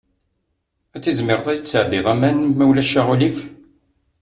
Ad tizmireḍ ad iyi-d-tesɛeddiḍ aman, ma ulac aɣilif?